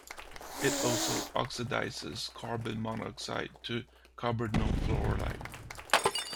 It also oxidises carbon monoxide to carbonyl fluoride.